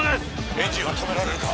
エンジンは止められるか？